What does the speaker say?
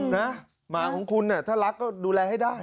หมาของคุณถ้ารักก็ดูแลให้ได้